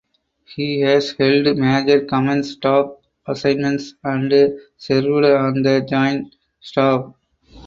He has held major command staff assignments and served on the Joint Staff.